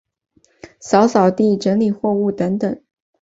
扫扫地、整理货物等等